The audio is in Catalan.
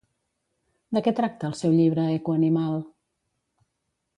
De què tracta el seu llibre Ecoanimal?